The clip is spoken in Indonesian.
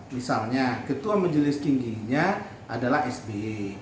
misalnya ketua majelis tingginya adalah sby